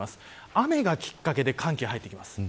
雨がきっかけで寒気が入ってきます。